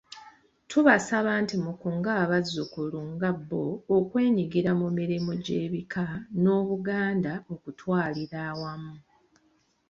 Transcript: Tubasaba nti mukunge abazzukulu ng'abo okwenyigira mu mirimu gy'ebika n'Obuganda okutwalira awamu.